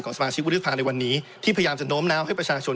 สมาชิกวุฒิภาในวันนี้ที่พยายามจะโน้มน้าวให้ประชาชน